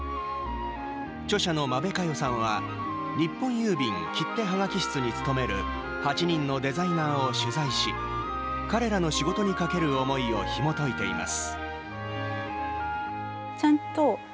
著者の間部香代さんは日本郵便切手・葉書室に勤める８人のデザイナーを取材し彼らの仕事にかける思いをひもといています。